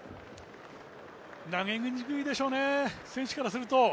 投げにくいでしょうね、選手からすると。